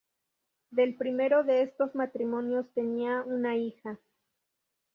Del primero de estos matrimonios tenía una hija.